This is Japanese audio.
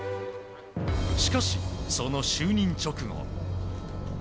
しかし、その就任直後。